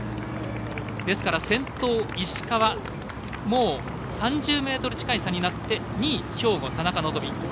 ですから先頭、石川もう３０ｍ近い差になって２区、兵庫、田中希実。